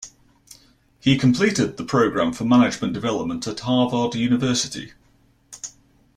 He completed the Program for Management Development at Harvard University.